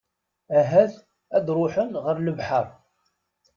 Ahat ad ruḥen ɣer lebḥer.